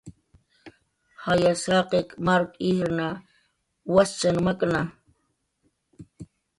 Jayas jaqiq mark ijrna waschan makna